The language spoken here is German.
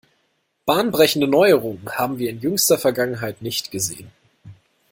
Bahnbrechende Neuerungen haben wir in jüngster Vergangenheit nicht gesehen.